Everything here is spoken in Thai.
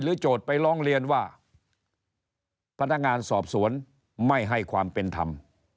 โจทย์ไปร้องเรียนว่าพนักงานสอบสวนไม่ให้ความเป็นธรรม